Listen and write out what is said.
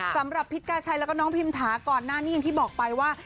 พิษกาชัยแล้วก็น้องพิมถาก่อนหน้านี้อย่างที่บอกไปว่า